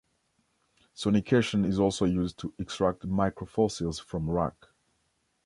Sonication is also used to extract microfossils from rock.